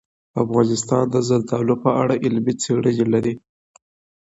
افغانستان د زردالو په اړه علمي څېړنې لري.